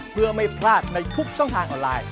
เพื่อไม่พลาดในทุกช่องทางออนไลน์